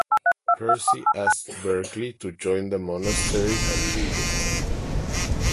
Percy asked Berkeley to join the monastery and lead it.